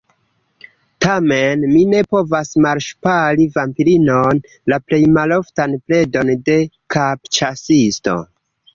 Tamen, mi ne povas malŝpari vampirinon, la plej maloftan predon de kapĉasisto.